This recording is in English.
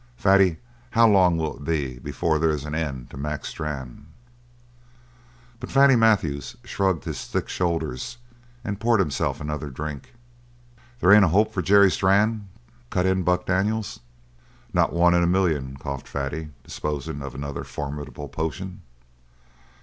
Fatty, how long will it be before there's an end to Mac Strann?" But Fatty Matthews shrugged his thick shoulders and poured himself another drink. "There ain't a hope for Jerry Strann?" cut in Buck Daniels. "Not one in a million," coughed Fatty, disposing of another formidable potion.